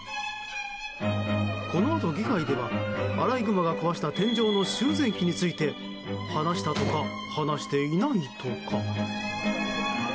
このあと、議会ではアライグマが壊した天井の修繕費について話したとか話していないとか。